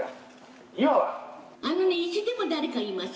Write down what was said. あのねいつでも誰かいます。